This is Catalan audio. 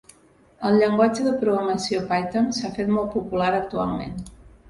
El llenguatge de programació python s'ha fet molt popular actualment.